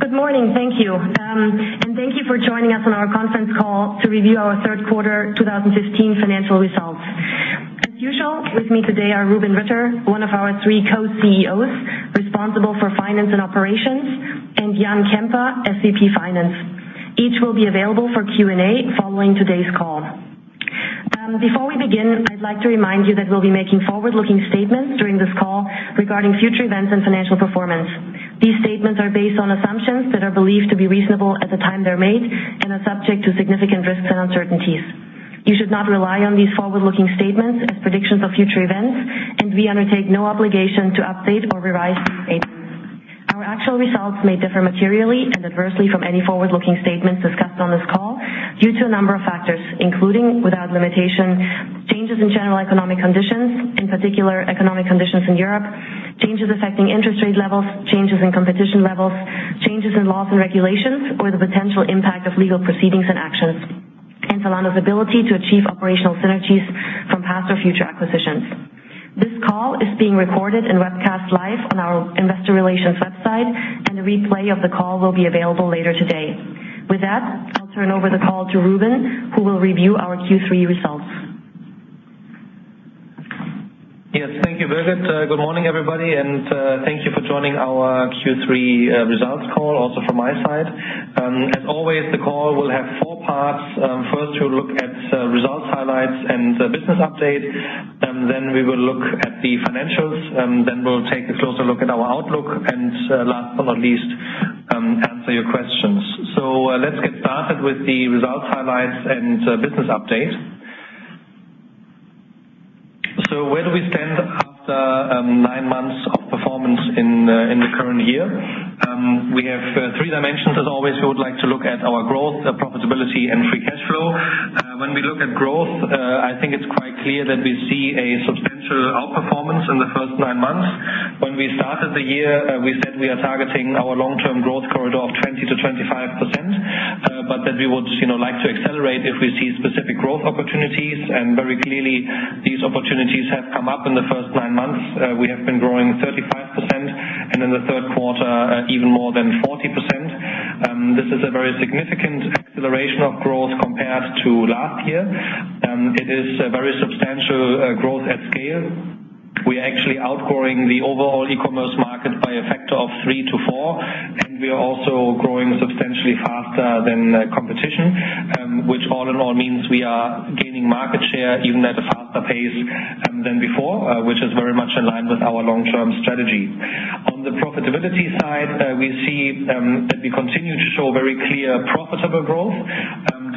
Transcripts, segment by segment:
Good morning. Thank you. Thank you for joining us on our conference call to review our third quarter 2015 financial results. As usual, with me today are Rubin Ritter, one of our three co-CEOs responsible for finance and operations, and Jan Kemper, SVP Finance. Each will be available for Q&A following today's call. Before we begin, I'd like to remind you that we'll be making forward-looking statements during this call regarding future events and financial performance. These statements are based on assumptions that are believed to be reasonable at the time they're made and are subject to significant risks and uncertainties. You should not rely on these forward-looking statements as predictions of future events, and we undertake no obligation to update or revise these statements. Our actual results may differ materially and adversely from any forward-looking statements discussed on this call due to a number of factors, including, without limitation, changes in general economic conditions, in particular, economic conditions in Europe, changes affecting interest rate levels, changes in competition levels, changes in laws and regulations, or the potential impact of legal proceedings and actions, Zalando's ability to achieve operational synergies from past or future acquisitions. This call is being recorded and webcast live on our investor relations website. A replay of the call will be available later today. With that, I'll turn over the call to Rubin, who will review our Q3 results. Yes. Thank you, Birgit. Good morning, everybody. Thank you for joining our Q3 results call also from my side. As always, the call will have four parts. First, we'll look at results highlights and business update. We will look at the financials. We'll take a closer look at our outlook. Last but not least, answer your questions. Let's get started with the results highlights and business update. Where do we stand after nine months of performance in the current year? We have three dimensions. As always, we would like to look at our growth, profitability and free cash flow. When we look at growth, I think it's quite clear that we see a substantial outperformance in the first nine months. When we started the year, we said we are targeting our long-term growth corridor of 20%-25%, that we would like to accelerate if we see specific growth opportunities. Very clearly, these opportunities have come up in the first nine months. We have been growing 35% and in the third quarter, even more than 40%. This is a very significant acceleration of growth compared to last year. It is a very substantial growth at scale. We are actually outgrowing the overall e-commerce market by a factor of three to four. We are also growing substantially faster than competition. All in all means we are gaining market share even at a faster pace than before, which is very much in line with our long-term strategy. On the profitability side, we see that we continue to show very clear profitable growth.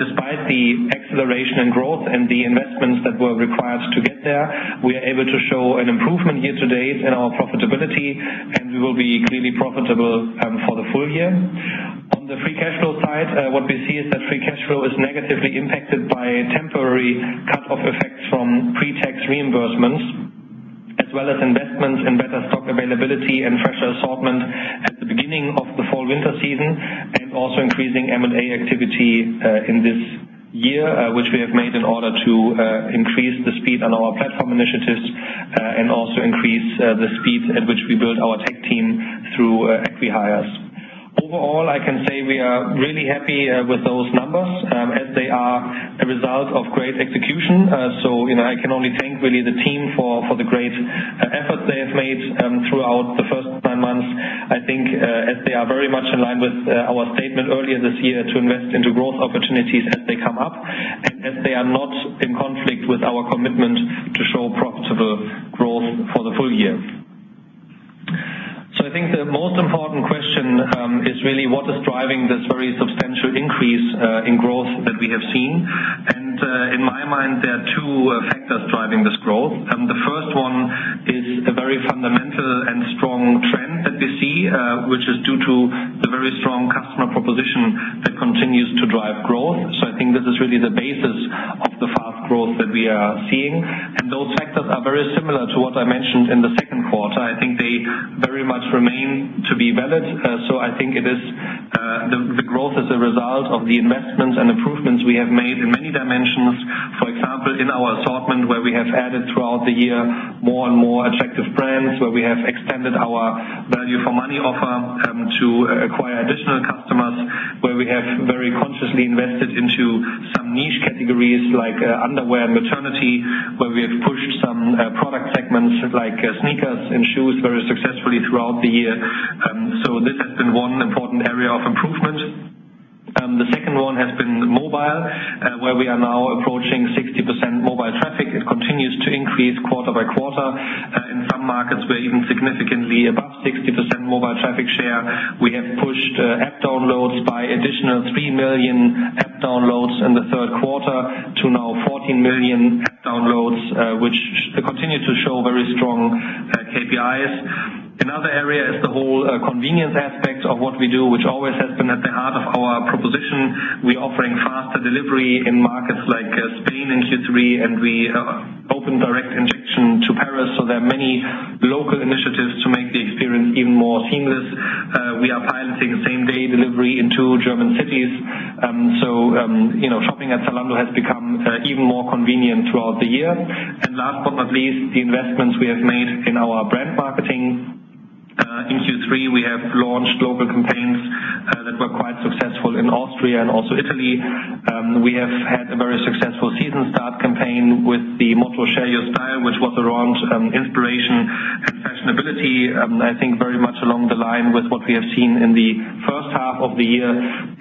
Despite the acceleration in growth and the investments that were required to get there, we are able to show an improvement year-to-date in our profitability. We will be clearly profitable for the full year. On the free cash flow side, what we see is that free cash flow is negatively impacted by temporary cut-off effects from pre-tax reimbursements as well as investments in better stock availability and fresher assortment at the beginning of the fall-winter season. Also increasing M&A activity in this year, which we have made in order to increase the speed on our platform initiatives and also increase the speed at which we build our tech team through acquihires. Overall, I can say we are really happy with those numbers as they are a result of great execution. I can only thank, really, the team for the great effort they have made throughout the first nine months. I think as they are very much in line with our statement earlier this year to invest into growth opportunities as they come up and as they are not in conflict with our commitment to show profitable growth for the full year. I think the most important question is really what is driving this very substantial increase in growth that we have seen. In my mind, there are two factors driving this growth. The first one is a very fundamental and strong trend that we see, which is due to the very strong customer proposition that continues to drive growth. I think this is really the basis of the fast growth that we are seeing. Those factors are very similar to what I mentioned in the second quarter. I think they very much remain to be valid. I think the growth is a result of the investments and improvements we have made in many dimensions. For example, in our assortment, where we have added throughout the year more and more attractive brands, where we have extended our value for money offer to acquire additional customers, where we have very consciously invested into some niche categories like underwear and maternity, where we have pushed some product segments like sneakers and shoes very successfully throughout the year. This has been one important area of improvement. The second one has been mobile, where we are now approaching 60% mobile traffic. It continues to increase quarter by quarter. In some markets, we're even significantly above 60% mobile traffic share. We have pushed app downloads by additional three million app downloads in the third quarter to now 14 million app downloads, which continue to show very strong KPIs. Another area is the whole convenience aspect of what we do, which always has been at the heart of our proposition. We're offering faster delivery in markets like Spain in Q3. We open direct injection to Paris. There are many local initiatives to make the experience even more seamless. We are piloting same-day delivery in two German cities. Shopping at Zalando has become even more convenient throughout the year. Last but not least, the investments we have made in our brand marketing. In Q3, we have launched local campaigns that were quite successful in Austria and also Italy. We have had a very successful season start campaign with the motto, "Share Your Style," which was around inspiration and fashionability. I think very much along the line with what we have seen in the first half of the year.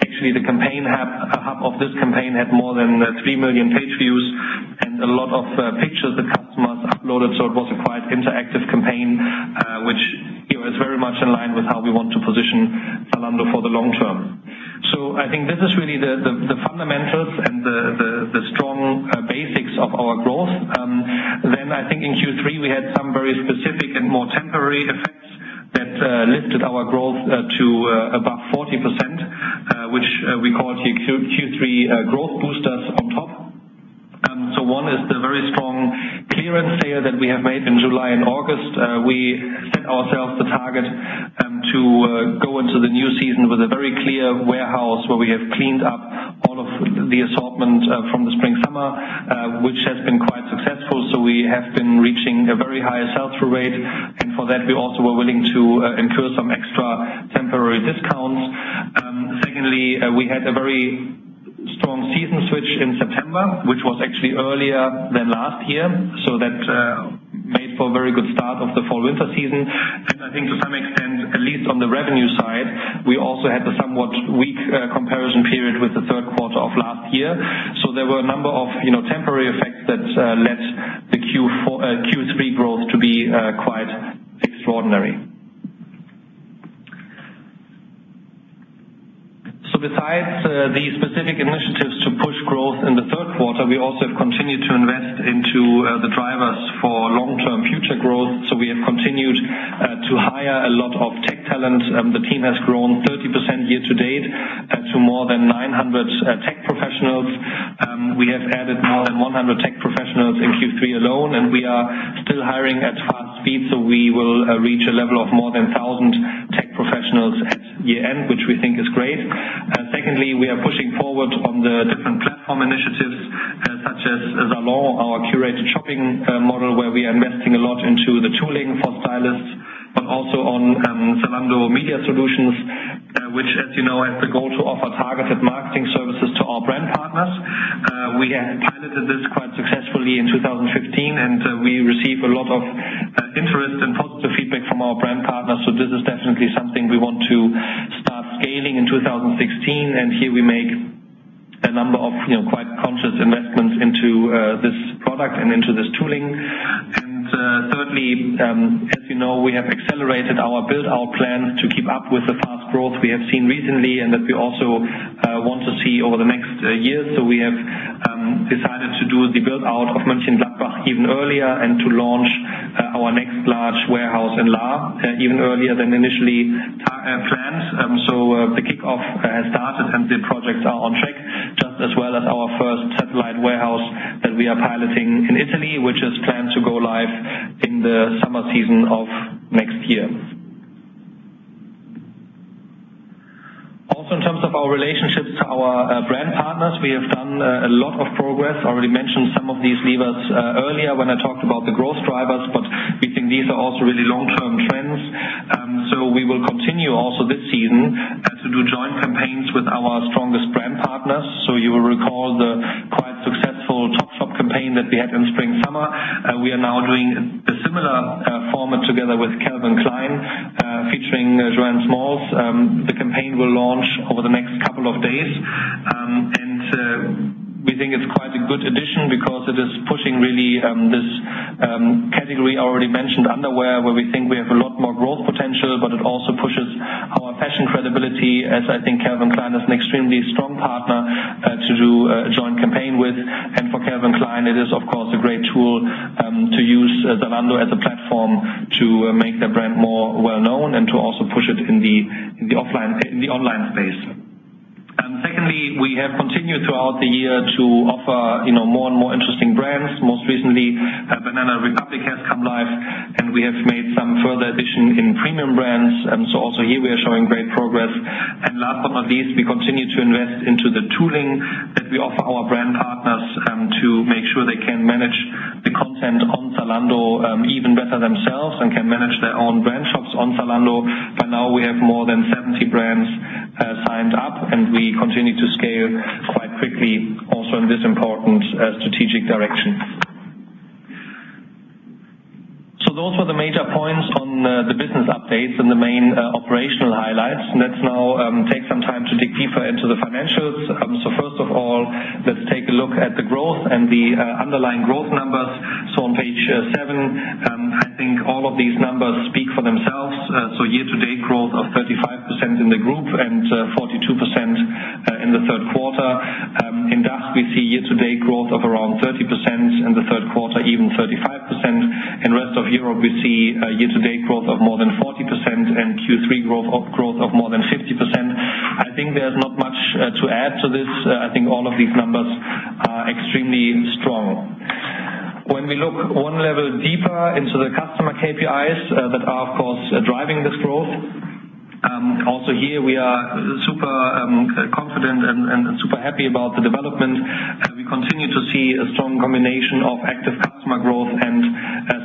Actually, the hub of this campaign had more than 3 million page views and a lot of pictures that customers uploaded, so it was a quite interactive campaign, which is very much in line with how we want to position Zalando for the long term. I think this is really the fundamentals and the strong basics of our growth. I think in Q3, we had some very specific and more temporary effects that lifted our growth to above 40%, which we call the Q3 growth boosters on top. One is the very strong clearance sale that we have made in July and August. We set ourselves the target to go into the new season with a very clear warehouse, where we have cleaned up all of the assortment from the spring/summer which has been quite successful. We have been reaching a very high sell-through rate, and for that, we also were willing to incur some extra temporary discounts. Secondly, we had a very strong season switch in September, which was actually earlier than last year. That made for a very good start of the fall/winter season. I think to some extent, at least on the revenue side, we also had a somewhat weak comparison period with the third quarter of last year. There were a number of temporary effects that led the Q3 growth to be quite extraordinary. Besides the specific initiatives to push growth in the third quarter, we also have continued to invest into the drivers for long-term future growth. We have continued to hire a lot of tech talent. The team has grown 30% year-to-date to more than 900 tech professionals. We have added more than 100 tech professionals in Q3 alone, and we are still hiring at fast speed. We will reach a level of more than 1,000 tech professionals at year-end, which we think is great. Secondly, we are pushing forward on the different platform initiatives such as Zalon, our curated shopping model, where we are investing a lot into the tooling for stylists, but also on Zalando Media Solutions, which as you know, has the goal to offer targeted marketing services to our brand partners. We have piloted this quite successfully in 2015, we receive a lot of interest and positive feedback from our brand partners. This is definitely something we want to start scaling in 2016. Here we make a number of quite conscious investments into this product and into this tooling. Thirdly, as you know, we have accelerated our build-out plan to keep up with the fast growth we have seen recently and that we also want to see over the next years. We have decided to do the build-out of Mönchengladbach even earlier and to launch our next large warehouse in Lahr even earlier than initially planned. The kickoff has started and the projects are on track, just as well as our first satellite warehouse that we are piloting in Italy, which is planned to go live in the summer season of next year. In terms of our relationships to our brand partners, we have done a lot of progress. I already mentioned some of these levers earlier when I talked about the growth drivers, but we think these are also really long-term trends. We will continue also this season to do joint campaigns with our strongest brand partners. You will recall the quite successful Topshop campaign that we had in spring/summer. We are now doing a similar format together with Calvin Klein, featuring Joan Smalls. The campaign will launch over the next couple of days. We think it's quite a good addition because it is pushing really this category I already mentioned, underwear, where we think we have a lot more growth potential, but it also pushes our fashion credibility as I think Calvin Klein is an extremely strong partner to do a joint campaign with. For Calvin Klein, it is of course a great tool to use Zalando as a platform to make their brand more well-known and to also push it in the online space. Secondly, we have continued throughout the year to offer more and more interesting brands. Most recently, Banana Republic has come live and we have made some further addition in premium brands. Also here we are showing great progress. Last but not least, we continue to invest into the tooling that we offer our brand partners to make sure they can manage the content on Zalando even better themselves and can manage their own brand shops on Zalando. By now we have more than 70 brands signed up and we continue to scale quite quickly also in this important strategic direction. Those were the major points on the business updates and the main operational highlights. Let's now take some time to dig deeper into the financials. First of all, let's take a look at the growth and the underlying growth numbers. On page seven, I think all of these numbers speak for themselves. Year-to-date growth of 35% in the group and 42% in the third quarter. In DACH, we see year-to-date growth of around 30% in the third quarter, even 35%. In rest of Europe, we see year-to-date growth of more than 40% and Q3 growth of more than 50%. I think there's not much to add to this. I think all of these numbers are extremely strong. When we look 1 level deeper into the customer KPIs that are, of course, driving this growth. Here we are super confident and super happy about the development. We continue to see a strong combination of active customer growth and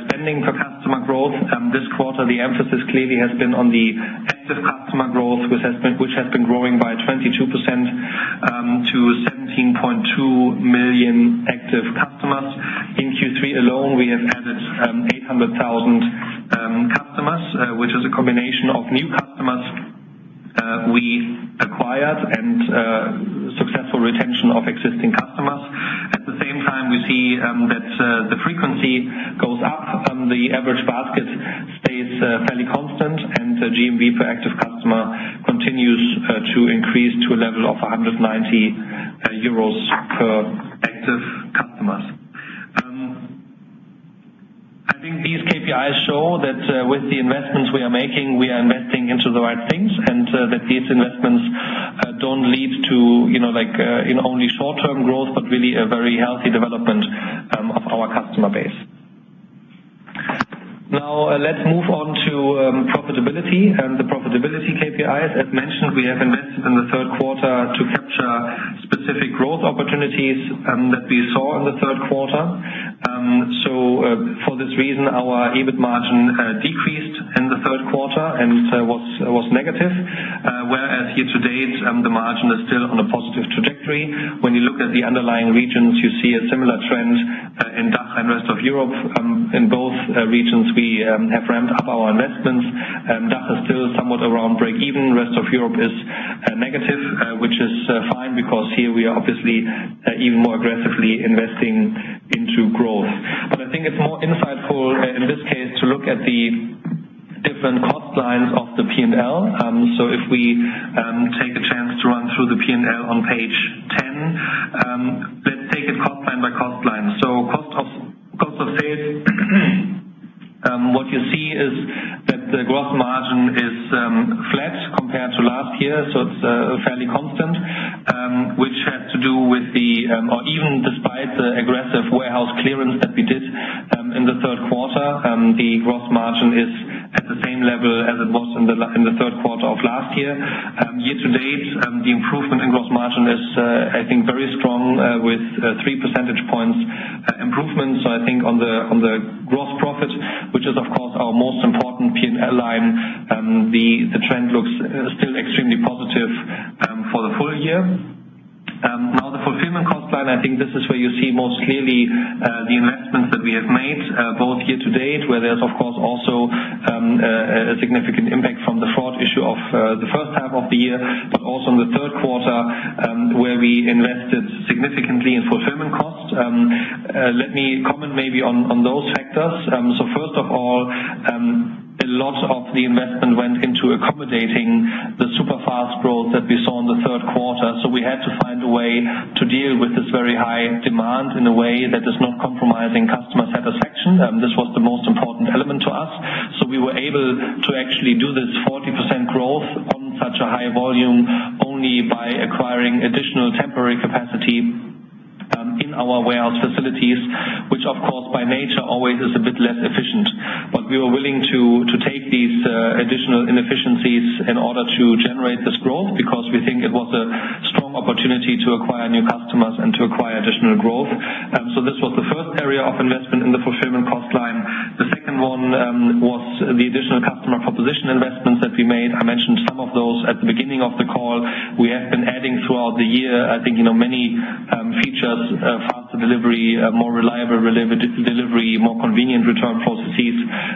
spending per customer growth. This quarter, the emphasis clearly has been on the active customer growth, which has been growing by 22% to 17.2 million active customers. In Q3 alone, we have added 800,000 customers, which is a combination of new customers we acquired and successful retention of existing customers. At the same time, we see that the frequency goes up. The average basket stays fairly constant, and the GMV per active customer continues to increase to a level of 190 euros per active customers. I think these KPIs show that with the investments we are making, we are investing into the right things and that these investments don't lead to only short-term growth, but really a very healthy development of our customer base. Let's move on to profitability and the profitability KPIs. As mentioned, we have invested in the third quarter to capture specific growth opportunities that we saw in the third quarter. For this reason, our EBIT margin decreased in the third quarter and was negative. Whereas year-to-date, the margin is still on a positive trajectory. When you look at the underlying regions, you see a similar trend in DACH and rest of Europe. In both regions, we have ramped up our investments. DACH is still somewhat around break even. Rest of Europe is negative, which is fine because here we are obviously even more aggressively investing into growth. I think it's more insightful in this case to look at the different cost lines of the P&L. If we take a chance to run through the P&L on page 10. Let's take it cost line by cost line. Cost of sales. What you see is that the gross margin is flat compared to last year, so it's fairly constant. Even despite the aggressive warehouse clearance that we did in the third quarter, the gross margin is at the same level as it was in the third quarter of last year. Year to date, the improvement in gross margin is, I think, very strong with three percentage points improvement. I think on the gross profit, which is, of course, our most important P&L line, the trend looks still extremely positive for the full year. Now, the fulfillment cost line, I think this is where you see most clearly the investments that we have made both year to date, where there's, of course, also a significant impact from the fraud issue of the first half of the year, but also in the third quarter, where we invested significantly in fulfillment costs. Let me comment maybe on those factors. First of all, a lot of the investment went into accommodating the super fast growth that we saw in the third quarter. We had to find a way to deal with this very high demand in a way that is not compromising customer satisfaction. This was the most important element to us. We were able to actually do this 40% growth on such a high volume only by acquiring additional temporary capacity in our warehouse facilities, which of course by nature always is a bit less efficient. We were willing to take these additional inefficiencies in order to generate this growth because we think it was a strong opportunity to acquire new customers and to acquire additional growth. This was the first area of investment in the fulfillment cost line. The second one was the additional customer proposition investments that we made. I mentioned some of those at the beginning of the call. We have been adding throughout the year, I think, many features, faster delivery, more reliable delivery, more convenient return processes.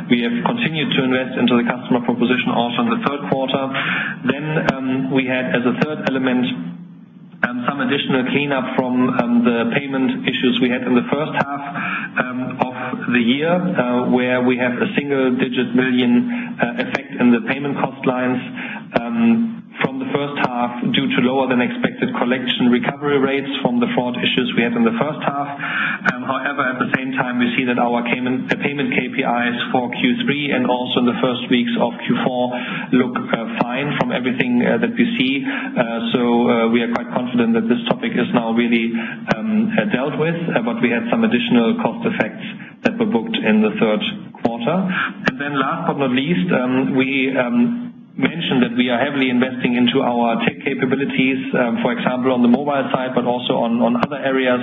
We have continued to invest into the customer proposition also in the third quarter. We had as a third element, some additional cleanup from the payment issues we had in the first half of the year, where we have a single-digit million effect in the payment cost lines from the first half due to lower than expected collection recovery rates from the fraud issues we had in the first half. However, at the same time, we see that our payment KPIs for Q3 and also in the first weeks of Q4 look fine from everything that we see. We are quite confident that this topic is now really dealt with, we had some additional cost effects that were booked in the third quarter. Last but not least, we mentioned that we are heavily investing into our tech capabilities, for example, on the mobile side, but also on other areas.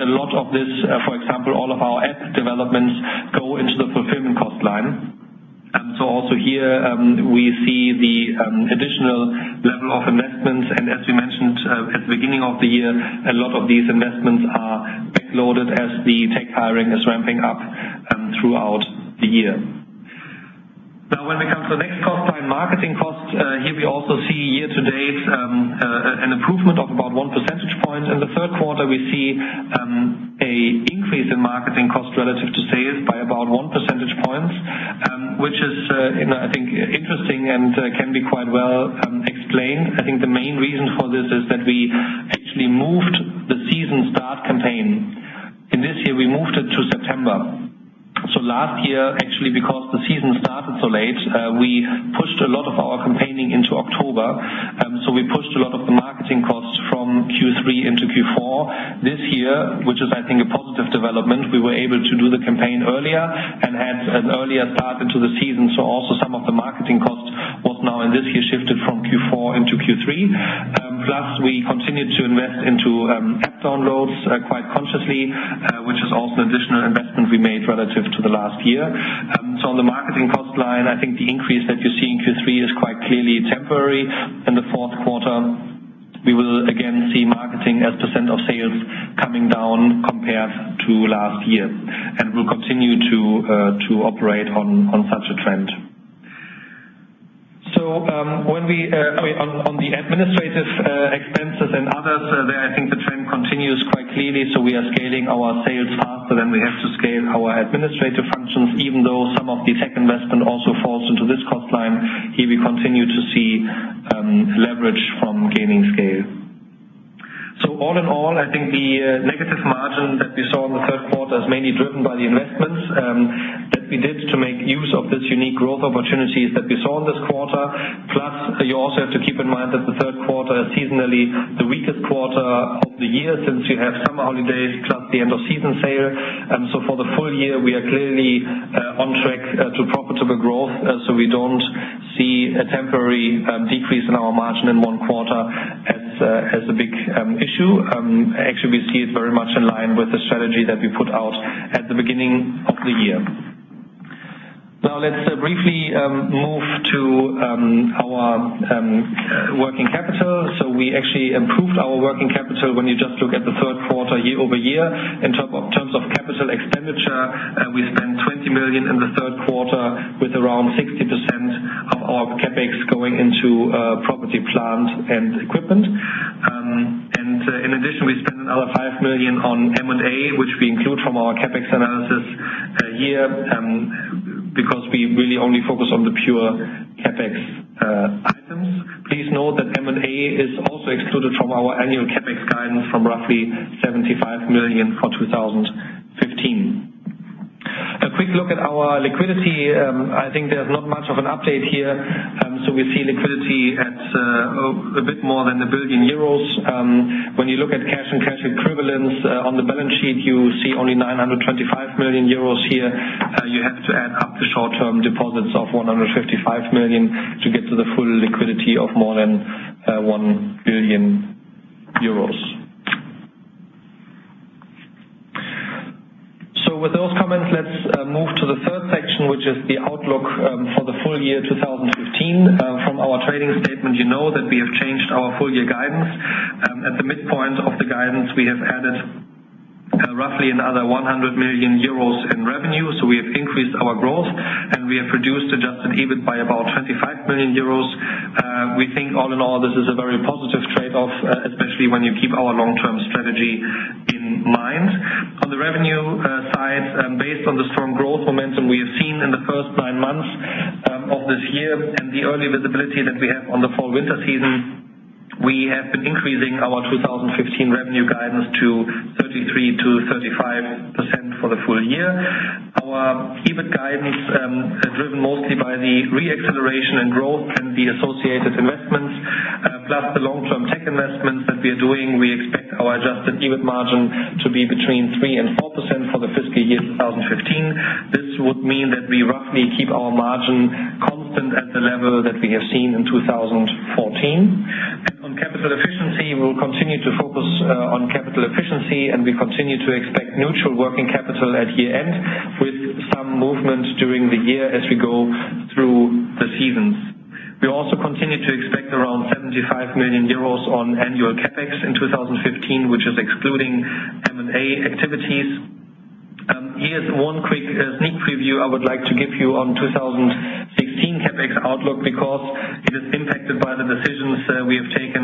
A lot of this, for example, all of our app developments go into the fulfillment cost line. Also here we see the additional level of investments, and as we mentioned at the beginning of the year, a lot of these investments are backloaded as the tech hiring is ramping up throughout the year. When it comes to the next cost line, marketing costs, here we also see year-to-date an improvement of about one percentage point. In the third quarter, we see an increase in marketing cost relative to sales by about one percentage point, which is I think interesting and can be quite well explained. I think the main reason for this is that we actually moved the season start campaign. In this year, we moved it to September. Last year, actually, because the season started so late, we pushed a lot of our campaigning into October. Of the marketing costs from Q3 into Q4 this year, which is I think a positive development. We were able to do the campaign earlier and had an earlier start into the season. Also some of the marketing costs was now in this year shifted from Q4 into Q3. We continued to invest into app downloads quite consciously, which is also an additional investment we made relative to the last year. On the marketing cost line, I think the increase that you see in Q3 is quite clearly temporary. In the fourth quarter, we will again see marketing as percent of sales coming down compared to last year. We'll continue to operate on such a trend. On the administrative expenses and others there, I think the trend continues quite clearly. We are scaling our sales faster than we have to scale our administrative functions, even though some of the tech investment also falls into this cost line. Here, we continue to see leverage from gaining scale. All in all, I think the negative margin that we saw in the third quarter is mainly driven by the investments that we did to make use of this unique growth opportunities that we saw this quarter. You also have to keep in mind that the third quarter is seasonally the weakest quarter of the year since you have summer holidays plus the end of season sale. For the full year, we are clearly on track to profitable growth. We don't see a temporary decrease in our margin in one quarter as a big issue. We see it very much in line with the strategy that we put out at the beginning of the year. Let's briefly move to our working capital. We actually improved our working capital when you just look at the third quarter year-over-year. In terms of capital expenditure, we spent 20 million in the third quarter with around 60% of our CapEx going into property, plant, and equipment. In addition, we spent another 5 million on M&A, which we include from our CapEx analysis here because we really only focus on the pure CapEx items. Please note that M&A is also excluded from our annual CapEx guidance from roughly 75 million for 2015. A quick look at our liquidity. I think there's not much of an update here. We see liquidity at a bit more than 1 billion euros. When you look at cash and cash equivalents on the balance sheet, you see only 925 million euros here. You have to add up the short-term deposits of 155 million to get to the full liquidity of more than 1 billion euros. With those comments, let's move to the third section, which is the outlook for the full year 2015. From our trading statement, you know that we have changed our full year guidance. At the midpoint of the guidance, we have added roughly another 100 million euros in revenue. We have increased our growth, and we have reduced adjusted EBIT by about 25 million euros. We think all in all, this is a very positive trade-off, especially when you keep our long-term strategy in mind. On the revenue side, based on the strong growth momentum we have seen in the first nine months of this year and the early visibility that we have on the fall-winter season, we have been increasing our 2015 revenue guidance to 33%-35% for the full year. Our EBIT guidance, driven mostly by the re-acceleration in growth and the associated investments, plus the long-term tech investments that we are doing, we expect our adjusted EBIT margin to be between 3% and 4% for the fiscal year 2015. This would mean that we roughly keep our margin constant at the level that we have seen in 2014. On capital efficiency, we will continue to focus on capital efficiency, and we continue to expect neutral working capital at year-end, with some movement during the year as we go through the seasons. We also continue to expect around 75 million euros on annual CapEx in 2015, which is excluding M&A activities. Here's one quick sneak preview I would like to give you on 2016 CapEx outlook, because it is impacted by the decisions that we have taken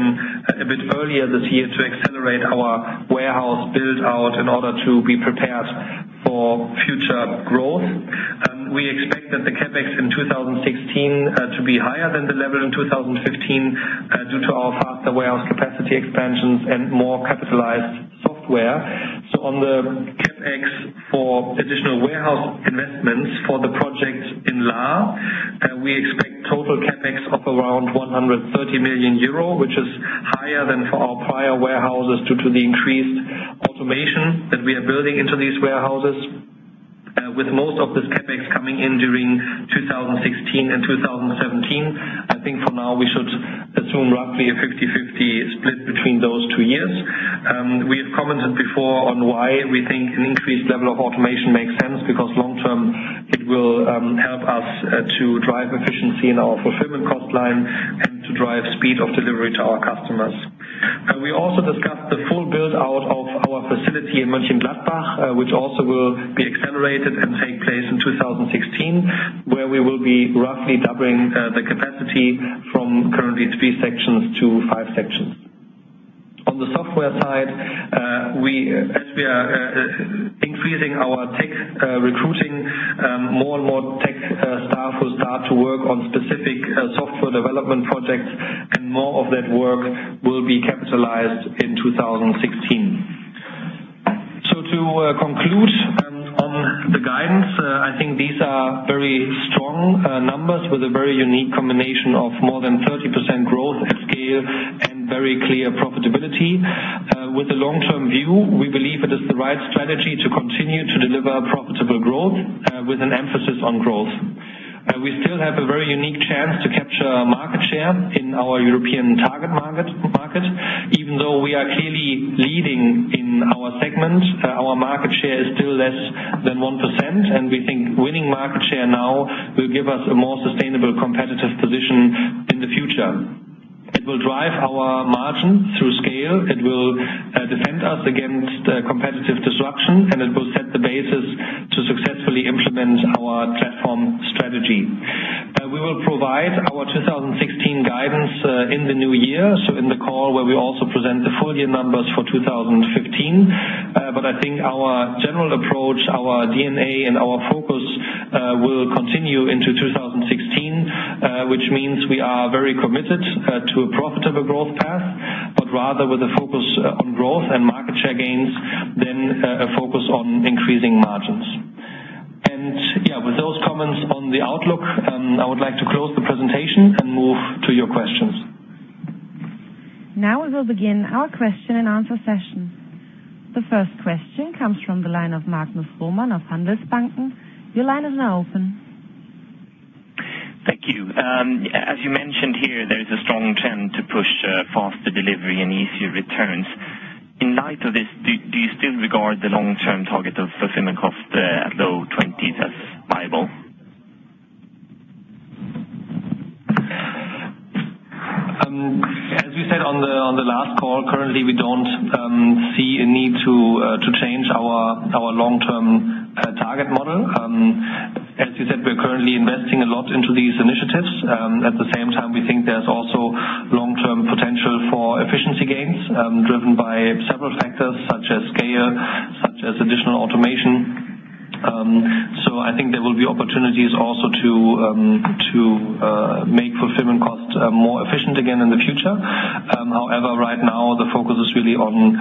a bit earlier this year to accelerate our warehouse build-out in order to be prepared for future growth. We expect that the CapEx in 2016 to be higher than the level in 2015 due to our faster warehouse capacity expansions and more capitalized software. On the CapEx for additional warehouse investments for the project in Lahr, we expect total CapEx of around 130 million euro, which is higher than for our prior warehouses due to the increased automation that we are building into these warehouses. With most of this CapEx coming in during 2016 and 2017, I think for now we should assume roughly a 50-50 split between those two years. We have commented before on why we think an increased level of automation makes sense, because long term, it will help us to drive efficiency in our fulfillment cost line and to drive speed of delivery to our customers. We also discussed the full build-out of our facility in Mönchengladbach, which also will be accelerated and take place in 2016, where we will be roughly doubling the capacity from currently three sections to five sections. On the software side, as we are increasing our tech recruiting, more and more tech staff will start to work on specific software development projects, and more of that work will be capitalized in 2016. To conclude on the guidance, I think these are very strong numbers with a very unique combination of more than 30% growth at scale and very clear profitability. With the long-term view, we believe it is the right strategy to continue to deliver profitable growth with an emphasis on growth. We still have a very unique chance to capture market share in our European target market. Even though we are clearly leading in our segment, our market share is still less than 1%, and we think winning market share now will give us a more sustainable competitive position in the future. It will drive our margin through scale. It will defend us against competitive disruption, and it will set the basis to successfully implement our platform strategy. We will provide our 2016 guidance in the new year, so in the call where we also present the full year numbers for 2015. I think our general approach, our DNA, and our focus will continue into 2016, which means we are very committed to a profitable growth path, but rather with a focus on growth and market share gains than a focus on increasing margins. Yeah, with those comments on the outlook, I would like to close the presentation and move to your questions. Now we will begin our question and answer session. The first question comes from the line of Magnus Raman of Handelsbanken. Your line is now open. Thank you. As you mentioned here, there is a strong trend to push faster delivery and easier returns. In light of this, do you still regard the long-term target of fulfillment cost low 20s as viable? As we said on the last call, currently we don't see a need to change our long-term target model. As you said, we're currently investing a lot into these initiatives. At the same time, we think there's also long-term potential for efficiency gains, driven by several factors such as scale, such as additional automation. I think there will be opportunities also to make fulfillment costs more efficient again in the future. However, right now the focus is really on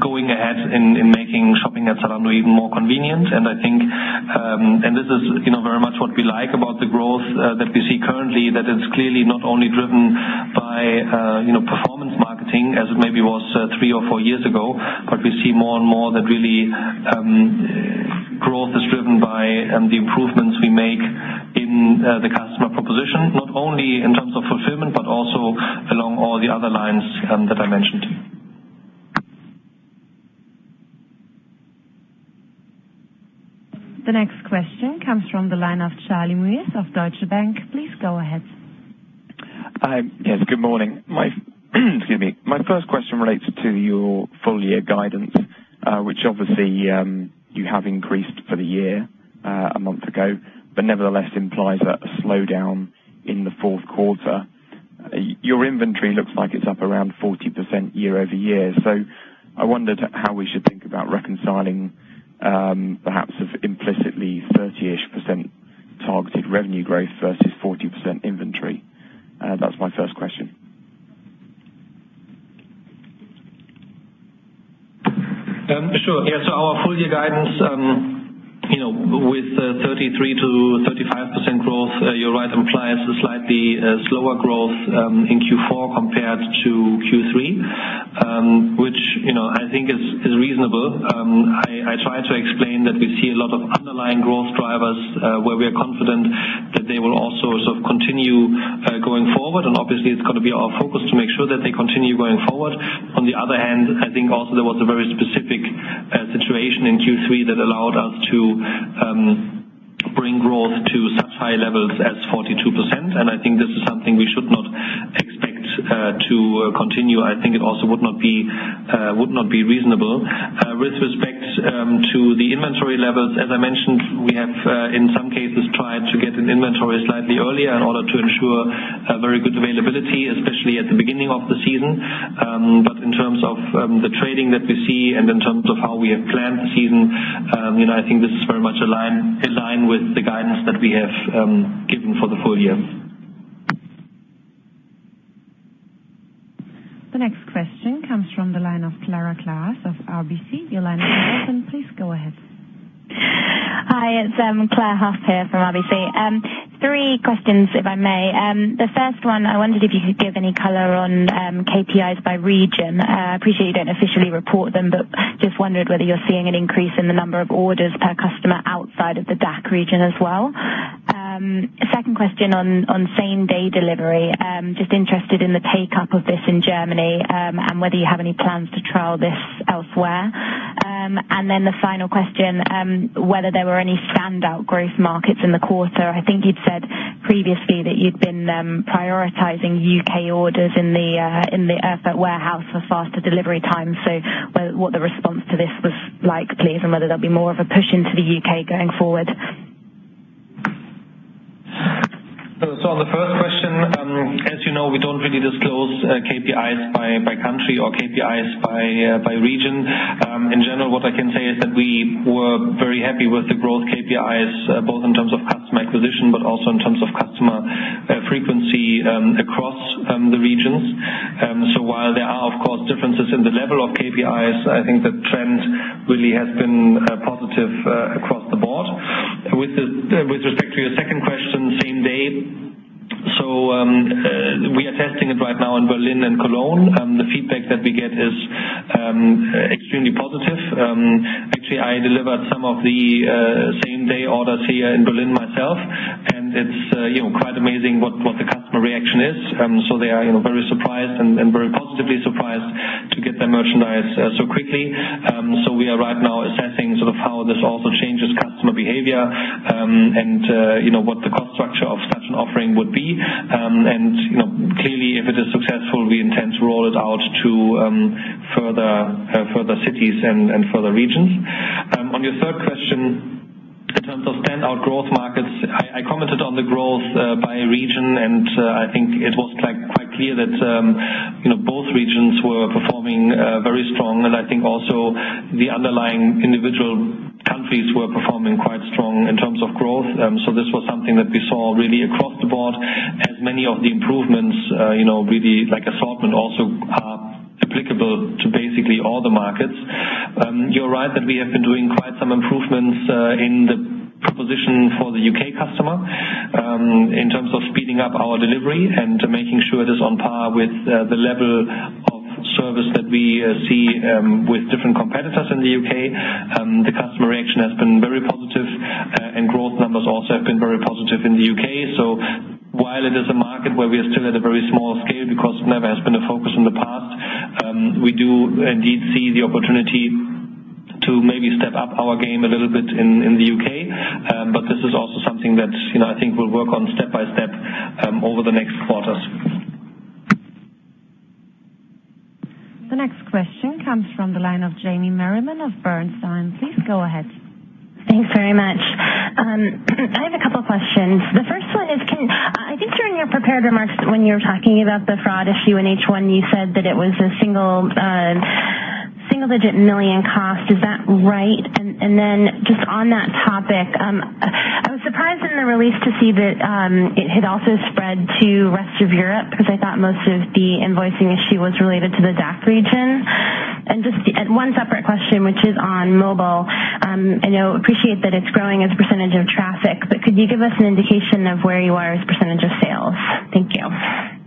going ahead and making shopping at Zalando even more convenient. This is very much what we like about the growth that we see currently, that it's clearly not only driven by performance marketing as it maybe was three or four years ago, but we see more and more that really growth is driven by the improvements we make in the customer proposition, not only in terms of fulfillment but also along all the other lines that I mentioned. The next question comes from the line of Charlie Muir-Sands of Deutsche Bank. Please go ahead. Yes, good morning. Excuse me. My first question relates to your full year guidance, which obviously, you have increased for the year, a month ago, but nevertheless implies a slowdown in the fourth quarter. Your inventory looks like it's up around 40% year-over-year. I wondered how we should think about reconciling perhaps implicitly 30-ish% targeted revenue growth versus 40% inventory. That was my first question. Sure. Yeah. Our full year guidance, with 33%-35% growth, you're right, implies a slightly slower growth in Q4 compared to Q3, which I think is reasonable. I tried to explain that we see a lot of underlying growth drivers where we are confident that they will also continue going forward. Obviously it's going to be our focus to make sure that they continue going forward. On the other hand, I think also there was a very specific situation in Q3 that allowed us to bring growth to such high levels as 42%, and I think this is something we should not expect to continue. I think it also would not be reasonable. With respect to the inventory levels, as I mentioned, we have, in some cases, tried to get an inventory slightly earlier in order to ensure a very good availability, especially at the beginning of the season. In terms of the trading that we see and in terms of how we have planned the season, I think this is very much in line with the guidance that we have given for the full year. The next question comes from the line of Claire Huff of RBC. Your line is now open. Please go ahead. Hi, it's Claire Huff here from RBC. Three questions, if I may. The first one, I wondered if you could give any color on KPIs by region. I appreciate you don't officially report them, but just wondered whether you're seeing an increase in the number of orders per customer outside of the DACH region as well. Second question on same-day delivery. Just interested in the take-up of this in Germany, and whether you have any plans to trial this elsewhere. The final question, whether there were any standout growth markets in the quarter. I think you'd said previously that you'd been prioritizing U.K. orders in the Erfurt warehouse for faster delivery time. What the response to this was like, please, and whether there'll be more of a push into the U.K. going forward. On the first question, as you know, we don't really disclose KPIs by country or KPIs by region. In general, what I can say is that we were very happy with the growth KPIs both in terms of customer acquisition, but also in terms of customer frequency across. While there are, of course, differences in the level of KPIs, I think the trend really has been positive across the board. With respect to your second question, same day. We are testing it right now in Berlin and Cologne. The feedback that we get is extremely positive. Actually, I delivered some of the same-day orders here in Berlin myself, and it's quite amazing what the customer reaction is. They are very surprised and very positively surprised to get their merchandise so quickly. We are right now assessing how this also changes customer behavior, and what the cost structure of such an offering would be. Clearly, if it is successful, we intend to roll it out to further cities and further regions. On your third question, in terms of standout growth markets, I commented on the growth by region, and I think it was quite clear that both regions were performing very strong. I think also the underlying individual countries were performing quite strong in terms of growth. This was something that we saw really across the board as many of the improvements really, like assortment also, are applicable to basically all the markets. You're right that we have been doing quite some improvements in the proposition for the U.K. customer in terms of speeding up our delivery and making sure it is on par with the level of service that we see with different competitors in the U.K. The customer reaction has been very positive, and growth numbers also have been very positive in the U.K. While it is a market where we are still at a very small scale because never has been a focus in the past, we do indeed see the opportunity to maybe step up our game a little bit in the U.K. This is also something that I think we'll work on step by step over the next quarters. The next question comes from the line of Jamie Merriman of Bernstein. Please go ahead. Thanks very much. I have two questions. The first one is, I think during your prepared remarks when you were talking about the fraud issue in H1, you said that it was a single-digit million cost. Is that right? Just on that topic, I was surprised in the release to see that it had also spread to rest of Europe because I thought most of the invoicing issue was related to the DACH region. One separate question, which is on mobile. I appreciate that it's growing as a percentage of traffic, could you give us an indication of where you are as a percentage of sales? Thank you.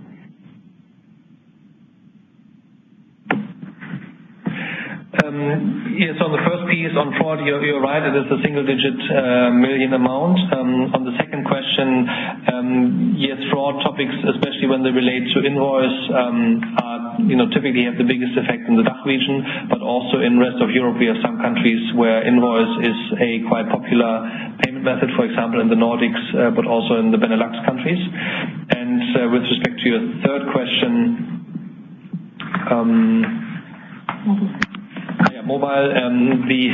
Yes, on the first piece on fraud, you're right. It is a single-digit million amount. On the second question, yes, fraud topics, especially when they relate to invoice, typically have the biggest effect in the DACH region, also in rest of Europe, we have some countries where invoice is a quite popular payment method. For example, in the Nordics also in the Benelux countries. With respect to your third question. Mobile. Mobile.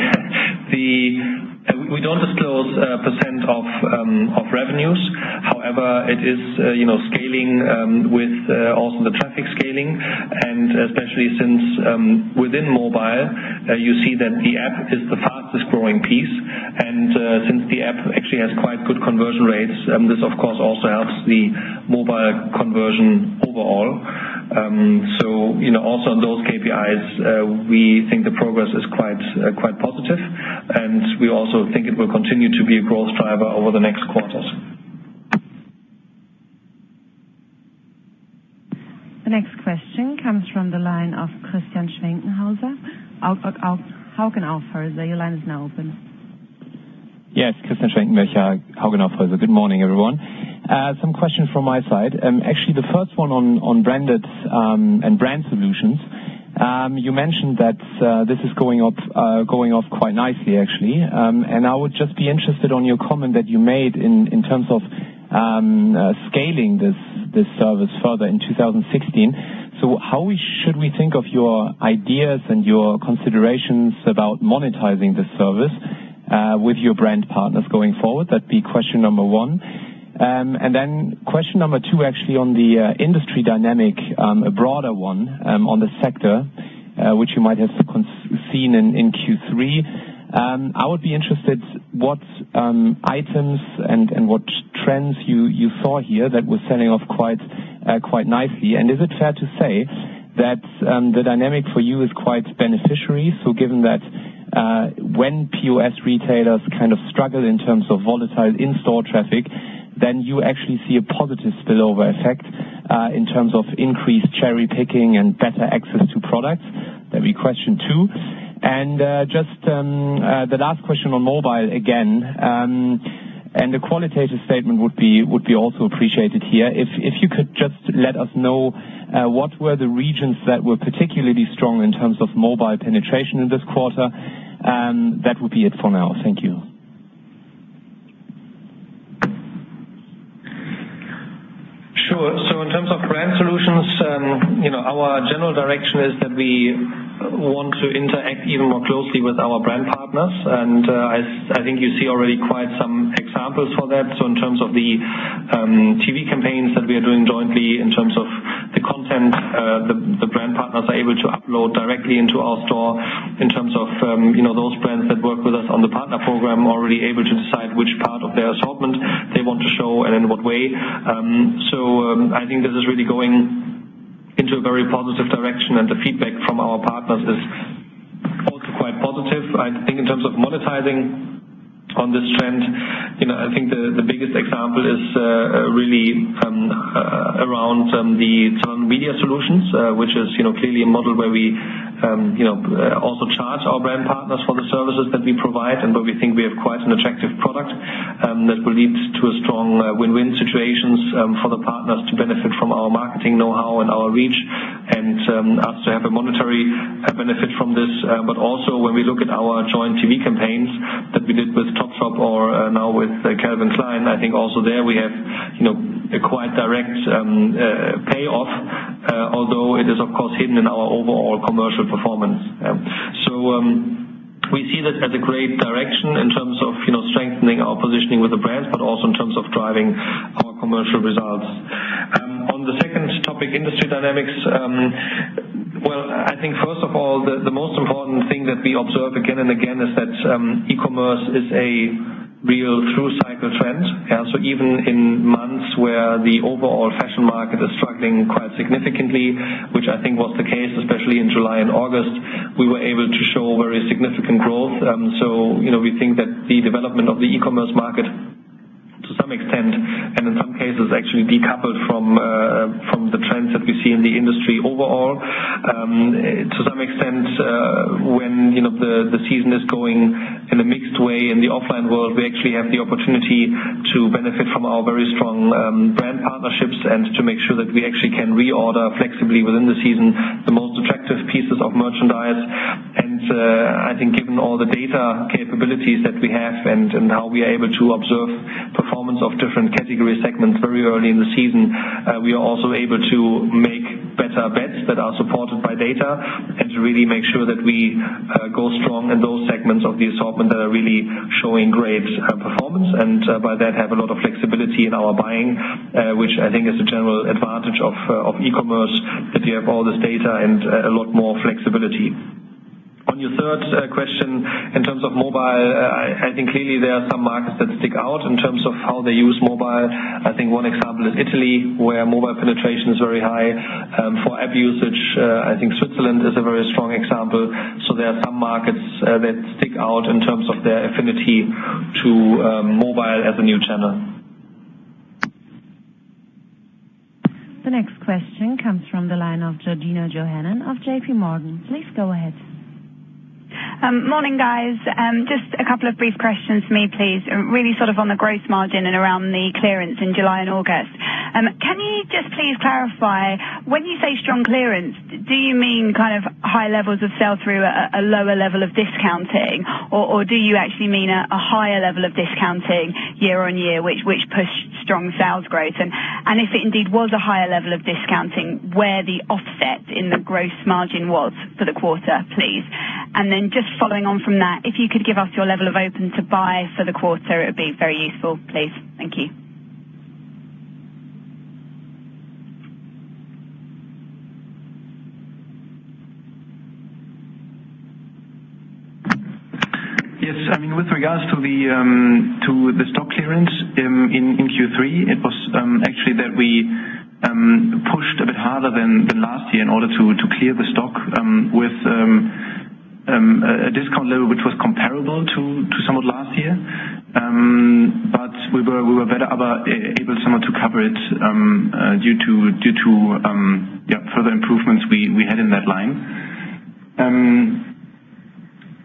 We don't disclose % of revenues. However, it is scaling with also the traffic scaling especially since within mobile, you see that the app is the fastest-growing piece. Since the app actually has quite good conversion rates, this of course also helps the mobile conversion overall. Also on those KPIs, we think the progress is quite positive, we also think it will continue to be a growth driver over the next quarters. The next question comes from the line of Christian Schwenkenhauser of Hauck & Aufhäuser. Your line is now open. Yes, Christian Schwenkenbecher, Hauck & Aufhäuser. Good morning, everyone. Some questions from my side. Actually, the first one on branded and brand solutions. You mentioned that this is going off quite nicely, actually. How should we think of your ideas and your considerations about monetizing this service with your brand partners going forward? That'd be question number one. Question number two, actually, on the industry dynamic, a broader one on the sector, which you might have seen in Q3. I would be interested what items and what trends you saw here that were selling off quite nicely. Is it fair to say that the dynamic for you is quite beneficiary? Given that when POS retailers kind of struggle in terms of volatile in-store traffic, then you actually see a positive spillover effect in terms of increased cherry-picking and better access to products. That'd be question two. The last question on mobile again. A qualitative statement would be also appreciated here. If you could just let us know what were the regions that were particularly strong in terms of mobile penetration in this quarter? That would be it for now. Thank you. Sure. In terms of brand solutions, our general direction is that we want to interact even more closely with our brand partners. I think you see already quite some examples for that. In terms of the TV campaigns that we are doing jointly, in terms of the content the brand partners are able to upload directly into our store. Those brands that work with us on the partner program are already able to decide which part of their assortment and in what way. I think this is really going into a very positive direction, and the feedback from our partners is also quite positive. I think in terms of monetizing on this trend, I think the biggest example is really around Zalando Media Solutions, which is clearly a model where we also charge our brand partners for the services that we provide, and where we think we have quite an attractive product that will lead to strong win-win situations for the partners to benefit from our marketing know-how and our reach. Us to have a monetary benefit from this. Also, when we look at our joint TV campaigns that we did with Topshop or now with Calvin Klein, I think also there we have a quite direct payoff. Although it is, of course, hidden in our overall commercial performance. We see that as a great direction in terms of strengthening our positioning with the brands, but also in terms of driving our commercial results. On the second topic, industry dynamics. I think, first of all, the most important thing that we observe again and again is that e-commerce is a real through-cycle trend. Even in months where the overall fashion market is struggling quite significantly, which I think was the case, especially in July and August, we were able to show very significant growth. We think that the development of the e-commerce market to some extent, and in some cases, actually decoupled from the trends that we see in the industry overall. To some extent, when the season is going in a mixed way in the offline world, we actually have the opportunity to benefit from our very strong brand partnerships and to make sure that we actually can reorder flexibly within the season, the most attractive pieces of merchandise. I think given all the data capabilities that we have and how we are able to observe performance of different category segments very early in the season. We are also able to make better bets that are supported by data and to really make sure that we go strong in those segments of the assortment that are really showing great performance. By that, have a lot of flexibility in our buying, which I think is a general advantage of e-commerce, that we have all this data and a lot more flexibility. On your third question, in terms of mobile, I think clearly there are some markets that stick out in terms of how they use mobile. I think one example is Italy, where mobile penetration is very high. For app usage, I think Switzerland is a very strong example. There are some markets that stick out in terms of their affinity to mobile as a new channel. The next question comes from the line of Georgina Johanan of JPMorgan. Please go ahead. Morning, guys. Just a couple of brief questions for me, please. Really sort of on the gross margin and around the clearance in July and August. Can you just please clarify, when you say strong clearance, do you mean high levels of sell-through at a lower level of discounting, or do you actually mean a higher level of discounting year-over-year, which pushed strong sales growth? If it indeed was a higher level of discounting, where the offset in the gross margin was for the quarter, please? Following on from that, if you could give us your level of open to buy for the quarter, it would be very useful, please. Thank you. Yes. With regards to the stock clearance in Q3, it was actually that we pushed a bit harder than last year in order to clear the stock with a discount level, which was comparable to somewhat last year. We were better able somewhat to cover it due to further improvements we had in that line.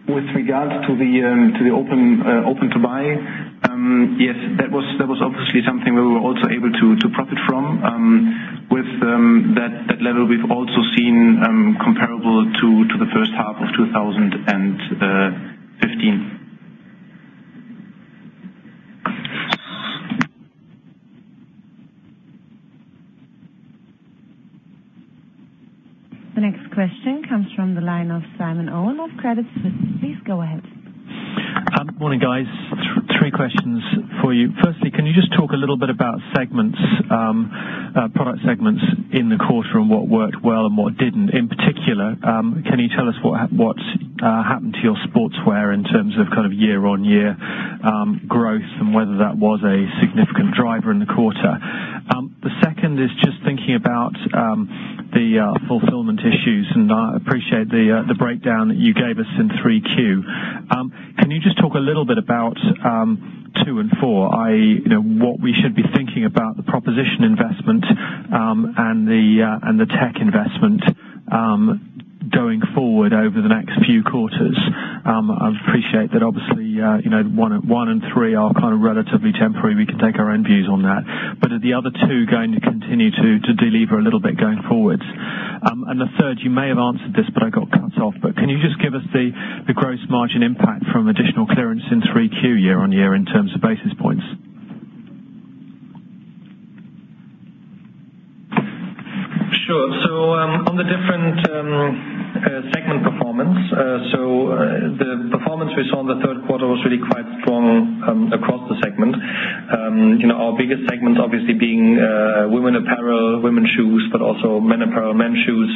With regards to the open to buy. Yes, that was obviously something we were also able to profit from. With that level, we've also seen comparable to the first half of 2015. The next question comes from the line of Simon Owen of Credit Suisse. Please go ahead. Morning, guys. Three questions for you. Firstly, can you just talk a little bit about product segments in the quarter and what worked well and what didn't? In particular, can you tell us what happened to your sportswear in terms of year-over-year growth and whether that was a significant driver in the quarter? The second is just thinking about the fulfillment issues. I appreciate the breakdown that you gave us in 3Q. Can you just talk a little bit about two and four? What we should be thinking about the proposition investment and the tech investment going forward over the next few quarters. I appreciate that obviously one and three are kind of relatively temporary. We can take our own views on that. Are the other two going to continue to de-lever a little bit going forwards? The third, you may have answered this, I got cut off. Can you just give us the gross margin impact from additional clearance in Q3 year-on-year in terms of basis points? Sure. On the different segment performance. The performance we saw in the third quarter was really quite strong across the segment. Our biggest segment obviously being women apparel, women shoes, but also men apparel, men shoes.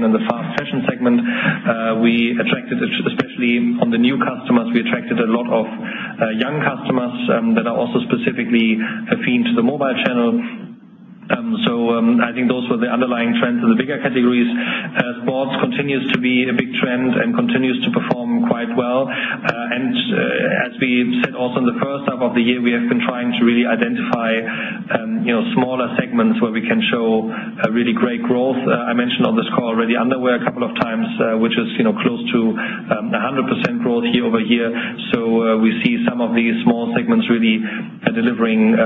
In the fast fashion segment, especially on the new customers, we attracted a lot of young customers that are also specifically affined to the mobile channel. I think those were the underlying trends in the bigger categories. Sports continues to be a big trend and continues to perform quite well. As we said, also in the first half of the year, we have been trying to really identify smaller segments where we can show a really great growth. I mentioned on this call already underwear a couple of times, which is close to 100% growth year-over-year. We see some of these small segments really delivering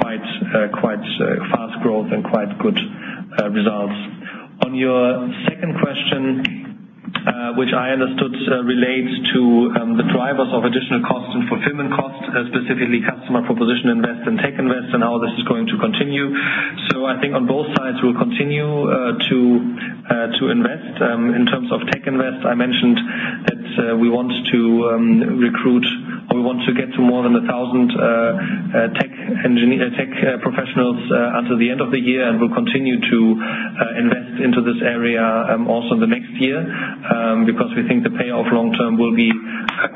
quite fast growth and quite good results. On your second question, which I understood relates to the drivers of additional costs and fulfillment costs, specifically customer proposition invest and tech invest and how this is going to continue. I think on both sides, we'll continue to invest. In terms of tech invest, I mentioned that we want to get to more than 1,000 tech professionals until the end of the year, and we'll continue to invest into this area also in the next year. Because we think the payoff long term will be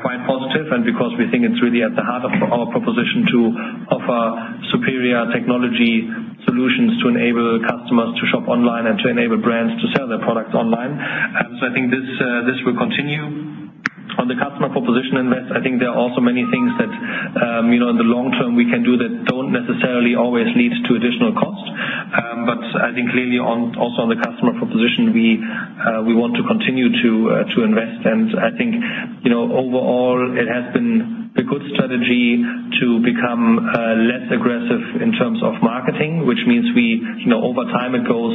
quite positive and because we think it's really at the heart of our proposition to offer superior technology solutions to enable customers to shop online and to enable brands to sell their products online. I think this will continue. On the customer proposition invest, I think there are also many things that, in the long term, we can do that don't necessarily always lead to additional cost. I think clearly, also on the customer proposition, we want to continue to invest. I think, overall, it has been a good strategy to become less aggressive in terms of marketing, which means over time it goes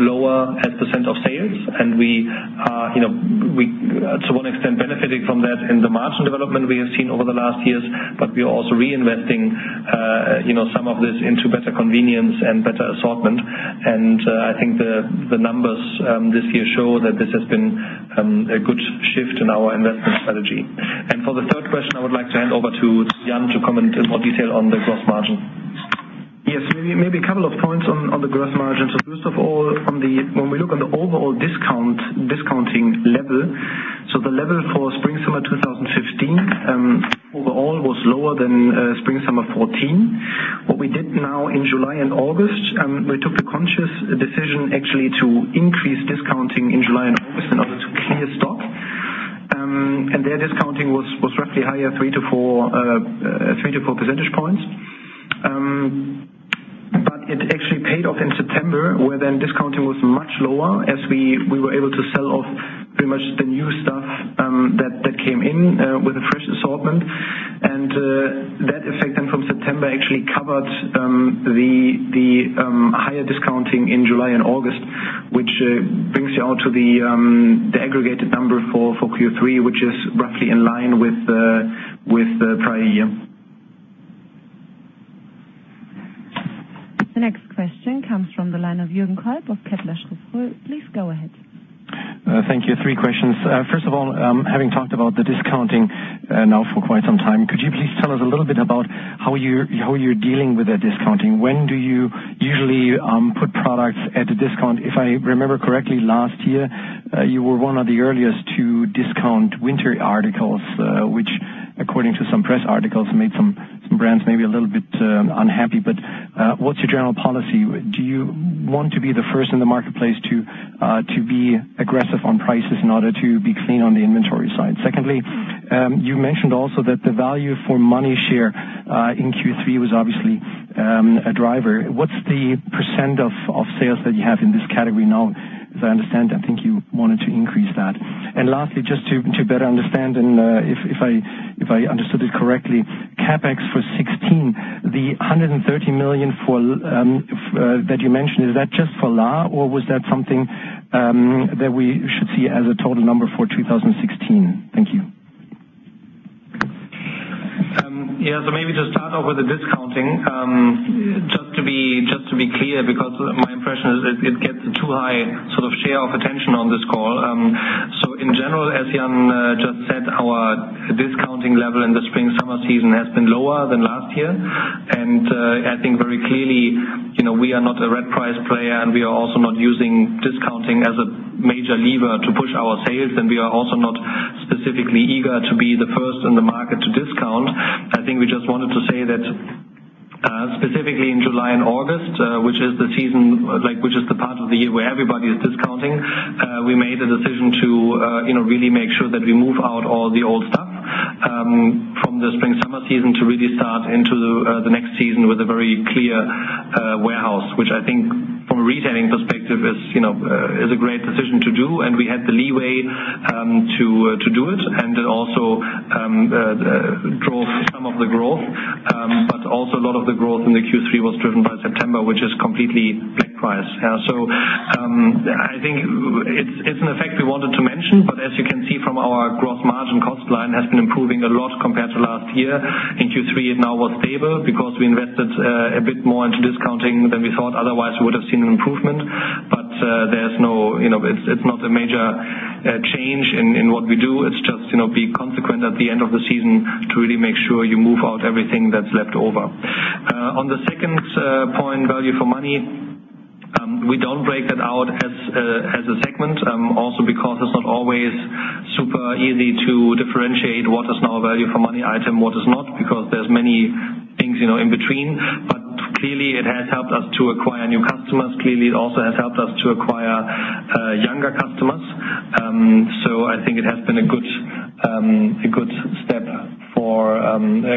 lower as % of sales. We are, to one extent, benefiting from that in the margin development we have seen over the last years. We are also reinvesting some of this into better convenience and better assortment. I think the numbers this year show that this has been a good shift in our investment strategy. For the third question, I would like to hand over to Jan to comment in more detail on the gross margin. Yes. First of all, when we look on the overall discounting level, the level for spring-summer 2015, overall, was lower than spring-summer 2014. What we did now in July and August, we took a conscious decision actually to increase discounting in July and August in order to clear stock. Their discounting was roughly higher 3 to 4 percentage points. It actually paid off in September, where discounting was much lower as we were able to sell off pretty much the new stuff that came in with a fresh assortment. That effect from September actually covered the higher discounting in July and August, which brings you out to the aggregated number for Q3, which is roughly in line with the prior year. The next question comes from the line of Jürgen Kolb of Kepler Cheuvreux. Please go ahead. Thank you. Three questions. First of all, having talked about the discounting now for quite some time, could you please tell us a little bit about how you're dealing with the discounting? When do you usually put products at a discount? If I remember correctly, last year, you were one of the earliest to discount winter articles, which according to some press articles, made some brands maybe a little bit unhappy. What's your general policy? Do you want to be the first in the marketplace to be aggressive on prices in order to be clean on the inventory side? Secondly, you mentioned also that the value for money share in Q3 was obviously a driver. What's the % of sales that you have in this category now? As I understand, I think you wanted to increase that. Lastly, just to better understand and if I understood it correctly, CapEx for 2016, the 130 million that you mentioned, is that just for Lahr or was that something that we should see as a total number for 2016? Thank you. Maybe to start off with the discounting. Just to be clear because my impression is it gets a too high sort of share of attention on this call. In general, as Jan just said, our discounting level in the spring-summer season has been lower than last year. I think very clearly, we are not a red price player, and we are also not using discounting as a major lever to push our sales. We are also not specifically eager to be the first in the market to discount. I think we just wanted to say that specifically in July and August, which is the part of the year where everybody is discounting, we made a decision to really make sure that we move out all the old stuff from the spring-summer season to really start into the next season with a very clear warehouse. Which I think from a retailing perspective is a great decision to do. We had the leeway to do it and it also drove some of the growth. Also a lot of the growth in the Q3 was driven by September, which is completely big price. I think it's an effect we wanted to mention, but as you can see from our gross margin, cost line has been improving a lot compared to last year. In Q3, it now was stable because we invested a bit more into discounting than we thought. Otherwise, we would've seen an improvement. It's not a major change in what we do. It's just be consequent at the end of the season to really make sure you move out everything that's left over. On the second point, value for money, we don't break that out as a segment. Also because it's not always super easy to differentiate what is now a value for money item, what is not, because there's many things in between. Clearly, it has helped us to acquire new customers. Clearly, it also has helped us to acquire younger customers. I think it has been a good step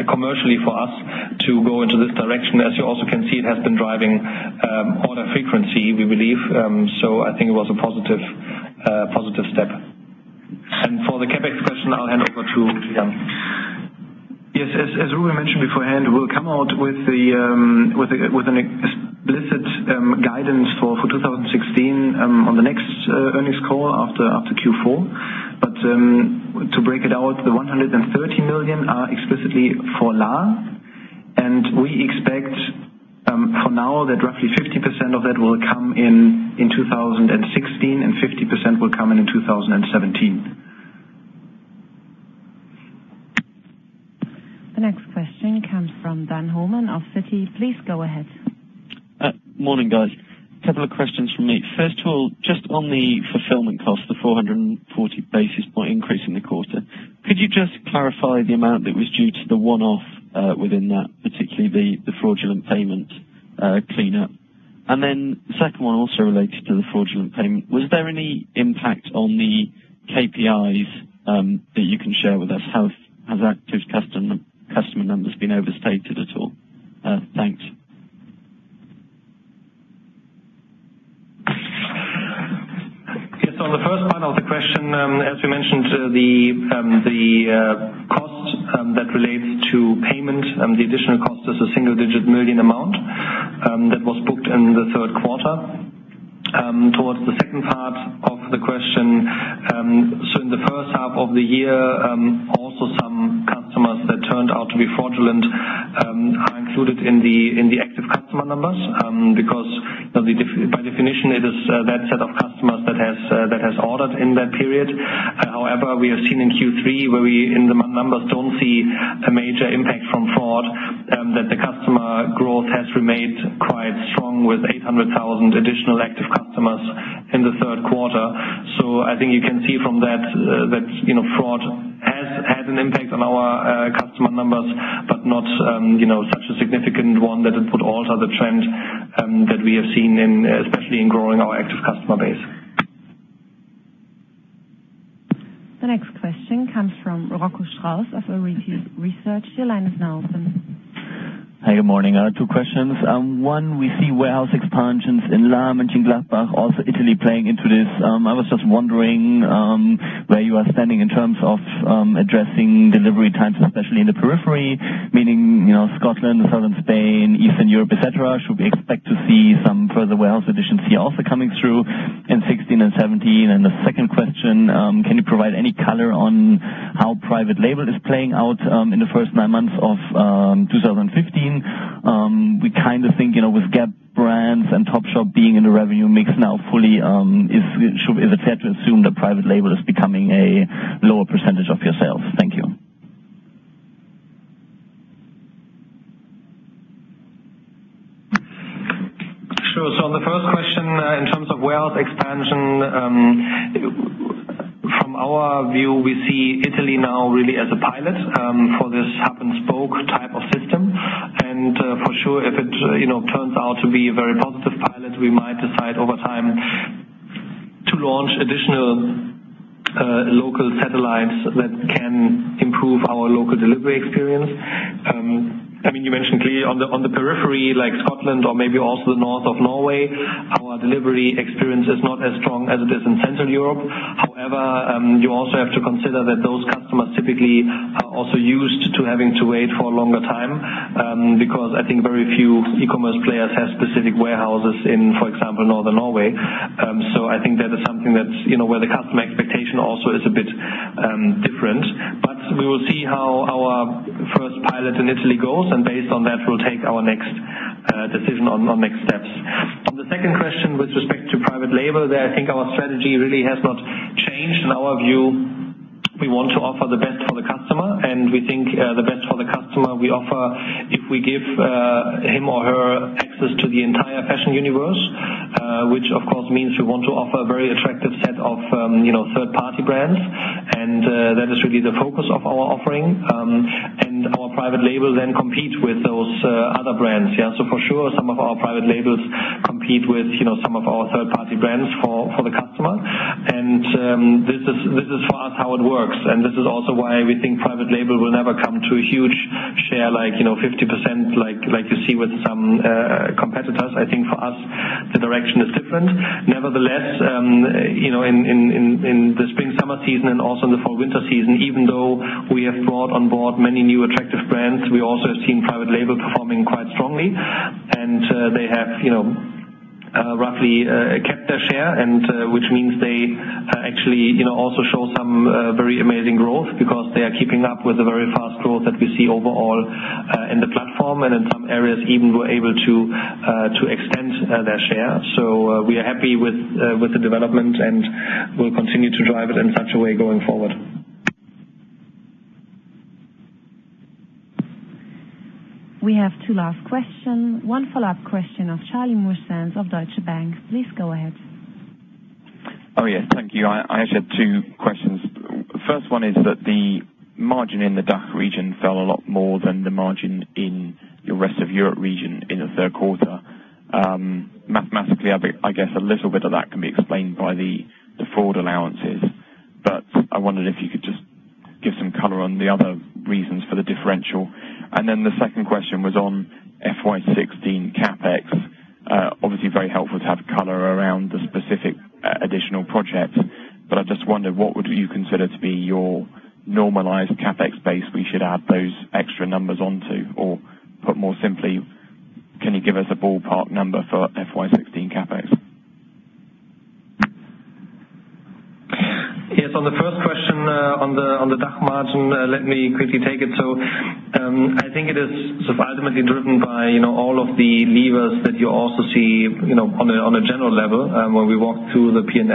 commercially for us to go into this direction. As you also can see, it has been driving order frequency, we believe. I think it was a positive step. For the CapEx question, I'll hand over to Jan. Yes. As Rubin mentioned beforehand, we'll come out with an explicit guidance for 2016 on the next earnings call after Q4. To break it out, the 130 million are explicitly for Lahr. We expect for now that roughly 50% of that will come in 2016 and 50% will come in 2017. The next question comes from Dan Homan of Citi. Please go ahead. Morning, guys. Couple of questions from me. First of all, just on the fulfillment cost, the 440 basis point increase in the quarter. Could you just clarify the amount that was due to the one-off within that, particularly the fraudulent payment cleanup? The second one also relates to the fraudulent payment. Was there any impact on the KPIs that you can share with us? Have active customer numbers been overstated at all? Thanks. Yes. On the first part of the question, as we mentioned, the cost that relates to payment, the additional cost is a single-digit million amount that was booked in the third quarter. Towards the second part of the question. In the first half of the year, also some customers that turned out to be fraudulent are included in the active customer numbers because by definition, it is that set of customers that has ordered in that period. However, we have seen in Q3 where we, in the numbers, don't see a major impact from fraud, that the customer growth has remained quite strong with 800,000 additional active customers in the third quarter. I think you can see from that fraud has had an impact on our customer numbers, but not such a significant one that it would alter the trend that we have seen, especially in growing our active customer base. The next question comes from Rocco Strauss of Arete Research. Your line is now open. Hi, good morning. I have two questions. One, we see warehouse expansions in Laatzen, Mönchengladbach, also Italy playing into this. I was just wondering where you are standing in terms of addressing delivery times, especially in the periphery, meaning Scotland, southern Spain, Eastern Europe, et cetera. Should we expect to see some further warehouse additions here also coming through in 2016 and 2017? The second question, can you provide any color on how private label is playing out in the first 9 months of 2015? We think with Gap and Topshop being in the revenue mix now fully, is it fair to assume that private label is becoming a lower % of your sales? Thank you. Sure. On the first question, in terms of warehouse expansion. From our view, we see Italy now really as a pilot for this hub and spoke type of system. For sure, if it turns out to be a very positive pilot, we might decide over time to launch additional local satellites that can improve our local delivery experience. You mentioned clearly on the periphery like Scotland or maybe also the north of Norway, our delivery experience is not as strong as it is in Central Europe. However, you also have to consider that those customers typically are also used to having to wait for a longer time, because I think very few e-commerce players have specific warehouses in, for example, northern Norway. I think that is something where the customer expectation also is a bit different. We will see how our first pilot in Italy goes, and based on that, we'll take our next decision on next steps. On the second question with respect to private label, there, I think our strategy really has not changed. In our view, we want to offer the best for the customer, and we think the best for the customer we offer if we give him or her access to the entire fashion universe. Which of course means we want to offer a very attractive set of third-party brands, and that is really the focus of our offering. Our private label then competes with those other brands. For sure, some of our private labels compete with some of our third-party brands for the customer. This is for us how it works. This is also why we think private label will never come to a huge share like 50%, like you see with some competitors. I think for us, the direction is different. Nevertheless, in the spring-summer season and also in the fall-winter season, even though we have brought on board many new attractive brands, we also have seen private label performing quite strongly. They have roughly kept their share, which means they actually also show some very amazing growth because they are keeping up with the very fast growth that we see overall in the platform. In some areas, even were able to extend their share. We are happy with the development and we'll continue to drive it in such a way going forward. We have two last questions. One follow-up question of Charlie Muir-Sands of Deutsche Bank. Please go ahead. Oh, yes. Thank you. I actually have two questions. First one is that the margin in the DACH region fell a lot more than the margin in your rest of Europe region in the third quarter. Mathematically, I guess a little bit of that can be explained by the fraud allowances. I wondered if you could just give some color on the other reasons for the differential. The second question was on FY 2016 CapEx. Obviously very helpful to have color around the specific additional projects, but I just wondered what would you consider to be your normalized CapEx base we should add those extra numbers onto or, put more simply, can you give us a ballpark number for FY 2016 CapEx? Yes, on the first question, on the DACH margin, let me quickly take it. I think it is ultimately driven by all of the levers that you also see on a general level when we walk through the P&L.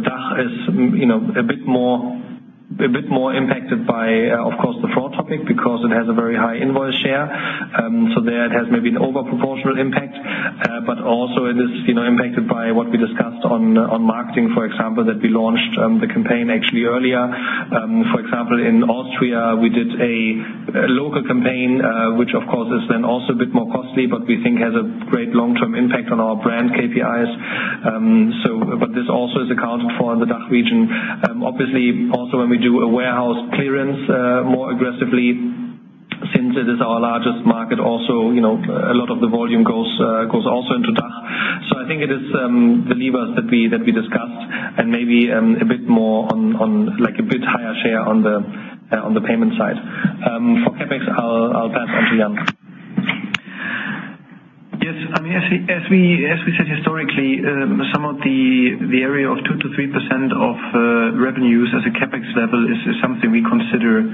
DACH is a bit more impacted by, of course, the fraud topic because it has a very high invoice share. There it has maybe an overproportional impact. Also, it is impacted by what we discussed on marketing, for example, that we launched the campaign actually earlier. For example, in Austria, we did a local campaign, which of course is then also a bit more costly, but we think has a great long-term impact on our brand KPIs. This also is accounted for in the DACH region. Obviously, also when we do a warehouse clearance more aggressively, since it is our largest market, a lot of the volume goes also into DACH. I think it is the levers that we discussed and maybe a bit higher share on the payment side. For CapEx, I'll pass on to Jan. Yes. As we said historically, some of the area of 2%-3% of revenues as a CapEx level is something we consider a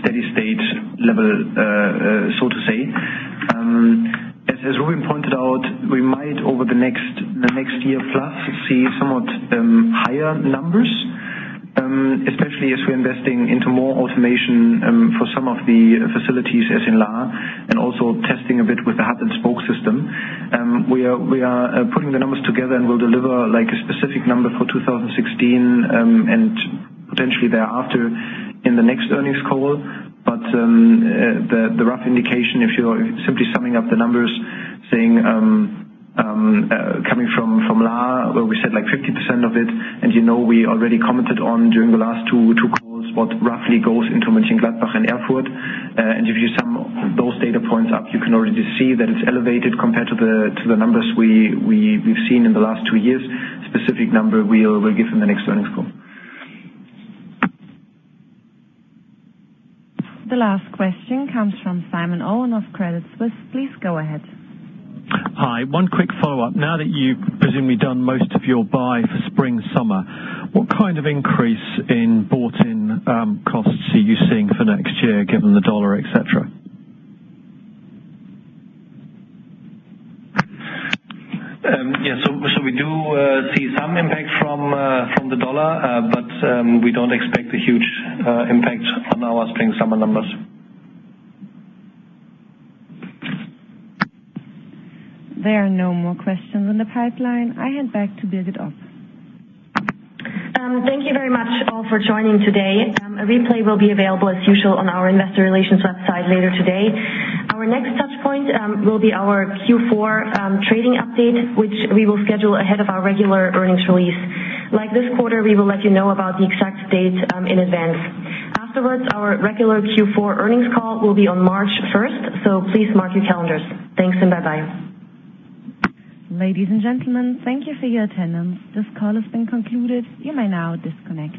steady state level, so to say. As Rubin pointed out, we might over the next year plus see somewhat higher numbers, especially as we're investing into more automation for some of the facilities as in Lahr, and also testing a bit with the hub and spoke system. We are putting the numbers together, and we'll deliver a specific number for 2016, and potentially thereafter in the next earnings call. The rough indication, if you're simply summing up the numbers coming from Lahr, where we said 50% of it, and you know we already commented on during the last two calls what roughly goes into Mönchengladbach and Erfurt. If you sum those data points up, you can already see that it's elevated compared to the numbers we've seen in the last two years. Specific number we will give in the next earnings call. The last question comes from Simon Owen of Credit Suisse. Please go ahead. Hi, one quick follow-up. Now that you've presumably done most of your buy for spring/summer, what kind of increase in bought-in costs are you seeing for next year given the dollar, et cetera? We do see some impact from the U.S. dollar, but we don't expect a huge impact on our spring/summer numbers. There are no more questions in the pipeline. I hand back to Birgit Rittger. Thank you very much all for joining today. A replay will be available as usual on our investor relations website later today. Our next touch point will be our Q4 trading update, which we will schedule ahead of our regular earnings release. Like this quarter, we will let you know about the exact date in advance. Afterwards, our regular Q4 earnings call will be on March 1st, please mark your calendars. Thanks and bye-bye. Ladies and gentlemen, thank you for your attendance. This call has been concluded. You may now disconnect.